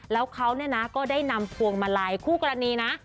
แล้วเขาก็ได้นำพวงมาลัยคู่กรณีนะ